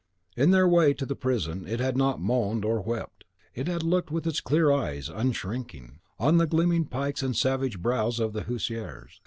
In their way to the prison it had not moaned or wept. It had looked with its clear eyes, unshrinking, on the gleaming pikes and savage brows of the huissiers.